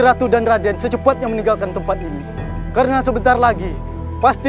ratu dan raden secepatnya meninggalkan tempat ini karena sebentar lagi pasti